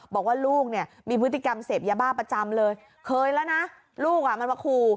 บอกว่าลูกเนี่ยมีพฤติกรรมเสพยาบ้าประจำเลยเคยแล้วนะลูกอ่ะมันมาขู่